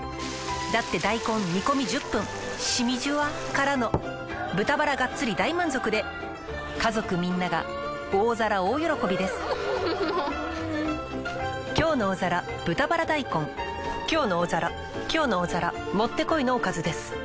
だって大根煮込み１０分しみじゅわからの豚バラがっつり大満足で家族みんなが大皿大喜びです「きょうの大皿」「きょうの大皿」もってこいのおかずです。